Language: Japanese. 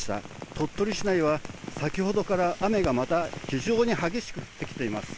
鳥取市内は先ほどから雨がまた非常に激しく降ってきています。